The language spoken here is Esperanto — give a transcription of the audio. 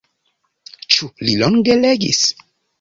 Ĉu li longe legis?